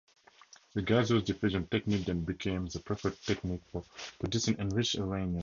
The gaseous diffusion technique then became the preferred technique for producing enriched uranium.